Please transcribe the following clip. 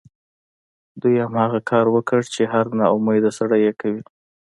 دوی هماغه کار وکړ چې هر ناامیده سړی یې کوي